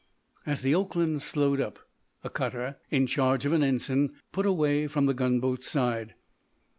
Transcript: As the "Oakland" slowed up, a cutter, in charge of an ensign, put away from the gunboat's side.